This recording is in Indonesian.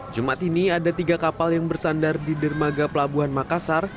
jumat ini ada tiga kapal yang bersandar di dermaga pelabuhan makassar